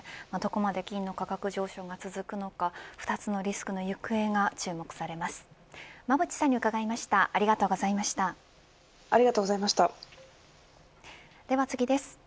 どこまで金の価格上昇が続くのか２つのリスクの行方が注目されます。